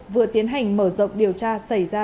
vừa tiến hành mở rộng điều tra xảy ra